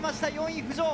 ４位浮上。